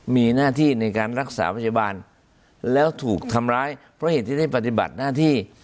มีหน้าที่ในการรักษาพยาบาลแล้วถูกทำร้ายเพราะเหตุที่ได้ปฏิบัติหน้าที่